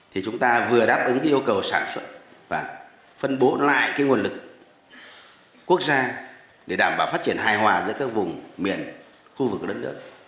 thì chúng ta vừa đáp ứng yêu cầu sản xuất và phân bố lại cái nguồn lực quốc gia để đảm bảo phát triển hài hòa giữa các vùng miền khu vực của đất nước